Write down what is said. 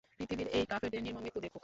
পৃথিবী এই কাফেরদের নির্মম মৃত্যু দেখুক।